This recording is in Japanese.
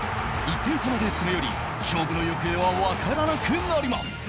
１点差まで詰め寄り勝負の行方は分からなくなります。